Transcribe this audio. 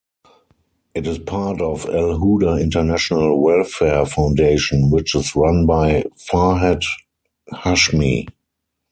It is part of Al-Huda International Welfare Foundation which is run by Farhat Hashmi.